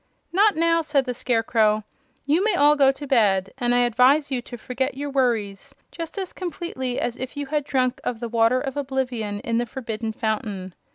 "Not now," said the Scarecrow. "You may all go to bed, and I advise you to forget your worries just as completely as if you had drunk of the Water of Oblivion in the Forbidden Fountain.